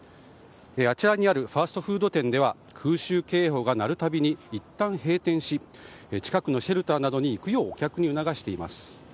あちらにあるファストフード店では空襲警報が鳴るたびにいったん閉店し近くのシェルターなどに行くようお客に促しています。